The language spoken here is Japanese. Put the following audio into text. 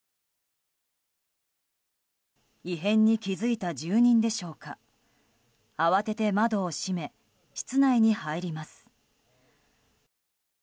異変に気付いた住人でしょうか慌てて窓を閉め室内に入ります。